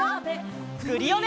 クリオネ！